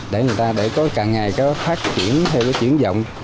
để người ta có càng ngày có phát triển theo cái chuyển dọng